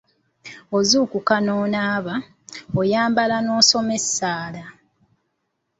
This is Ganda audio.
Ozukukka n'onaaba, oyambala n'osoma essaala.